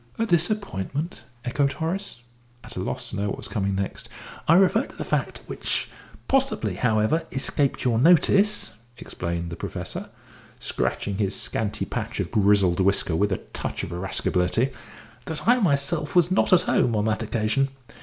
"A disappointment?" echoed Horace, at a loss to know what was coming next. "I refer to the fact which possibly, however, escaped your notice" explained the Professor, scratching his scanty patch of grizzled whisker with a touch of irascibility, "that I myself was not at home on that occasion."